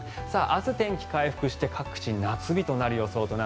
明日、天気回復して各地夏日となる予想。